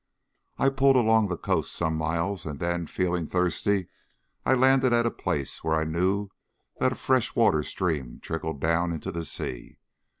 I pulled along the coast some miles, and then, feeling thirsty, I landed at a place where I knew that a fresh water stream trickled down into the sea.